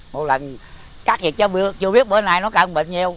một lần cắt gì chứ chưa biết bữa nay nó cân bệnh nhiều